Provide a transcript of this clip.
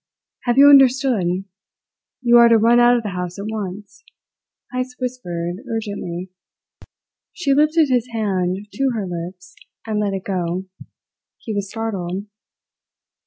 "Have you understood? You are to run out of the house at once," Heyst whispered urgently. She lifted his hand to her lips and let it go. He was startled.